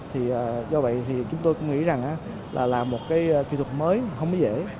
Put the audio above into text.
thì do vậy thì chúng tôi cũng nghĩ rằng là làm một cái kỹ thuật mới không dễ